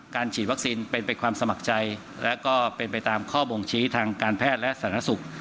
ฉีดวัคซีนเป็นไปความสมัครใจและก็เป็นไปตามข้อบ่งชี้ทางการแพทย์และสาธารณสุข